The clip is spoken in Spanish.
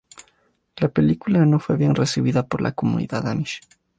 La película no fue bien recibida por la comunidad amish.